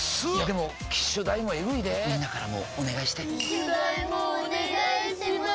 でも機種代もエグいでぇみんなからもお願いして機種代もお願いします